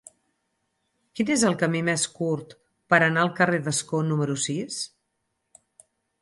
Quin és el camí més curt per anar al carrer d'Ascó número sis?